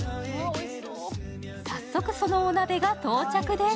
早速そのお鍋が到着です。